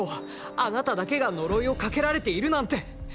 あなただけが呪いをかけられているなんて！